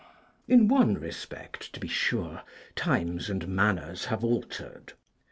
In one respect, to be sure, times and manners have altered.